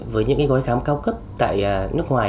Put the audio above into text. với những gói khám cao cấp tại nước ngoài